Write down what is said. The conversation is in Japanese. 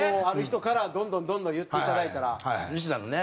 ある人からどんどんどんどん言っていただいたら。